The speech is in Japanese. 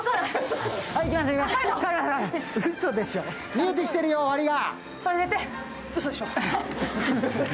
見えてきてるよ、終わりが。